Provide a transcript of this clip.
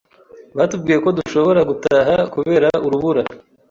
Batubwiye ko dushobora gutaha kubera urubura